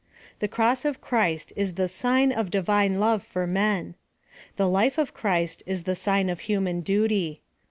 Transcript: The cross of Christ is the sig n of Divine love for men. The life of Christ is the sign of human duty.